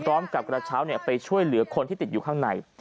พร้อมกับกระเช้าเนี่ยไปช่วยเหลือคนที่ติดอยู่ข้างใน